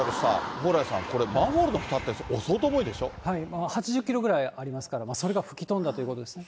蓬莱さん、これ、マンホールのふたって、８０キロぐらいありますから、それが吹き飛んだということですね。